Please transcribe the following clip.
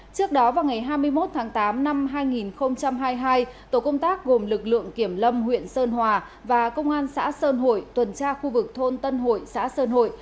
trước đó vào ngày hai mươi một tháng tám năm hai nghìn hai mươi hai tổ công tác gồm lực lượng kiểm lâm huyện sơn hòa và công an xã sơn hội tuần tra khu vực thôn tân hội xã sơn hội